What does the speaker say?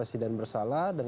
kemudian ke dpr kemudian ke dpr